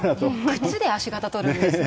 靴で足形をとるんですね。